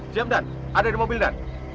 siap dan ada di mobil dan